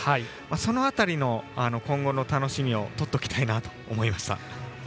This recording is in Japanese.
その辺りの今後の楽しみをとっておきたいなと思いました。